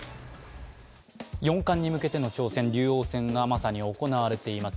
四冠に向けての挑戦、竜王戦が今まさに行われています。